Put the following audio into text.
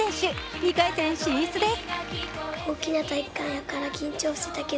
２回戦進出です。